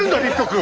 君！